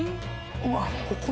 うわ！